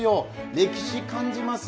歴史感じます